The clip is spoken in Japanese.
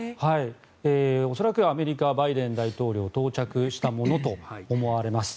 恐らくアメリカのバイデン大統領が到着したものと思われます。